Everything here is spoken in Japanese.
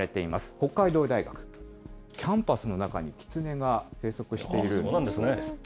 北海道大学、キャンパスの中にキツネが生息しているそうです。